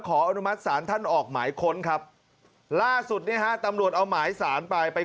อนุมัติศาลท่านออกหมายค้นครับล่าสุดเนี่ยฮะตำรวจเอาหมายสารไปไป